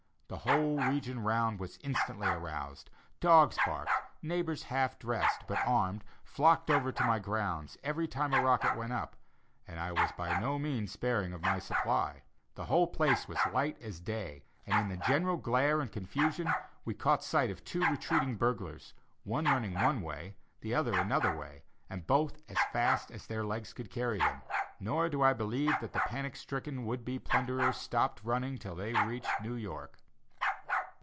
The whole region round about was instantly aroused; dogs barked, neighbors half dressed, but armed, flocked over to my grounds, every time a rocket went up, and I was by no means sparing of my supply; the whole place was as light as day, and in the general glare and confusion we caught sight of two retreating burglars, one running one way, the other another way, and both as fast as their legs could carry them; nor do I believe that the panic stricken would be plunderers stopped running till they reached New York.